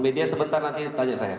media sebentar nanti tanya saya